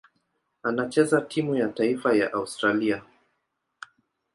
Anachezea timu ya taifa ya Australia.